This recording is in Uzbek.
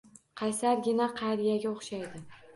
Qaysargina qariyaga o`xshaydi